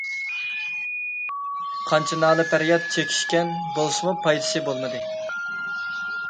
قانچە نالە-پەرياد چېكىشكەن بولسىمۇ پايدىسى بولمىدى.